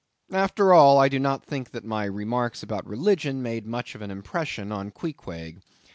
After all, I do not think that my remarks about religion made much impression upon Queequeg.